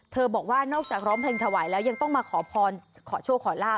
เธอบอกว่านอกจากร้องเพลงถวายแล้วยังต้องมาขอชั่วขอล่า